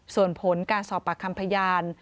ส่วนผลการสอบปากคำพยาน